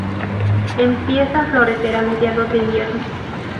Empieza a florecer a mediados de invierno.